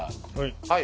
はい。